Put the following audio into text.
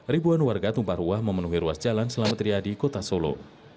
ribuan warga tumpah ruah memenuhi ruas jalan selamat riyadi kota solo